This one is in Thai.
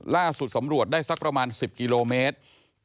ล่าสุดสำรวจได้สักประมาณ๑๐กิโลเมตร